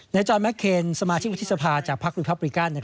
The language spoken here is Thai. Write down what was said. ในจอนแม็คเคนสมาชิกวิธีสภาจากพักรุงภาพบริกัน